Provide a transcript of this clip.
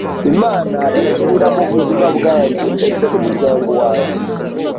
Imana ingirira mu buzima bwanjye ndetse n’umuryango wanjye.